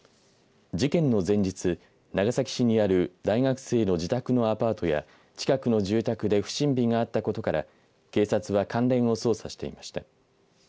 事件の前日長崎市にある大学生の自宅のアパートや近くの住宅で不審火があったことから警察は関連を捜査していました。